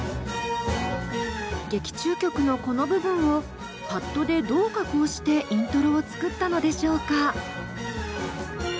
劇中曲のこの部分をパッドでどう加工してイントロを作ったのでしょうか？